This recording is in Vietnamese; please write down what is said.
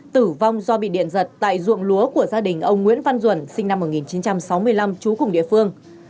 tử vong do bị điện giật tại ruộng lúa của gia đình ông nguyễn văn duẩn sinh năm một nghìn chín trăm sáu mươi năm trú cùng địa phương